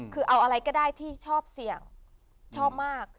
คือเอาอะไรก็ได้ที่ชอบเสี่ยงชอบมาก